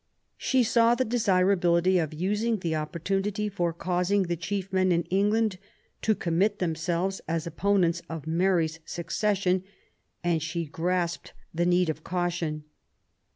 She saw the desirability of using the opportunity for causing the chief men in England to commit themselves as opponents of Marj^'s succession ; and she grasped the need of caution.